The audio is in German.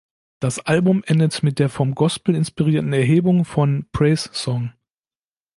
Das Album endet mit der vom Gospel inspirierten Erhebung von „Praise Song“.